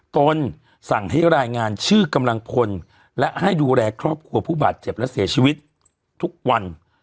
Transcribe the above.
ตนสั่งให้รายงานชื่อกำลังพลและให้ดูแลครอบครัวผู้บาดเจ็บและเสียชีวิตทุกวัน